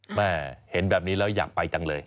แม่เห็นแบบนี้แล้วอยากไปจังเลย